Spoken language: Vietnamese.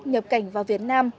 nhập cảnh vào việt nam